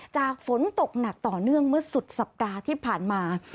จากฝนตกหนักต่อเนื่องเมื่อสุดสัปดาห์ที่ผ่านมา